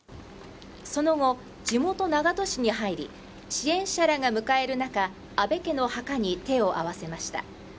その後、地元・長門市に入り、支援者らが迎える中、安倍家の墓に手を合わせました。